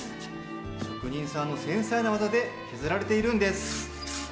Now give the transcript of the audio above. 職人さんの繊細な技で削られているんです。